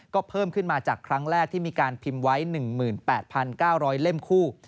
ก็เพิ่มขึ้นมาจากครั้งแรกที่มีการพิมพ์ไว้๑๘๙๐๐เล่มคู่